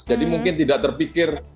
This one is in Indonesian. jadi mungkin tidak terpikir